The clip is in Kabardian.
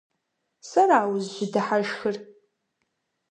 Сэра узыщыдыхьэшхыр?